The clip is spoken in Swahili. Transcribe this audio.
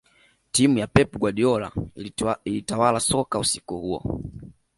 timu ya pep guardiola ilitawala soka usiku huo